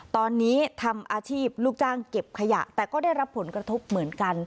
ตอนนี้ทำอาชีพลูกจ้างเก็บขยะแต่ก็ได้รับผลกระทบเหมือนกัน